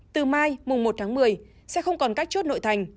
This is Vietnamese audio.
từ mai mùng một tháng một mươi sẽ không còn các chốt nội thành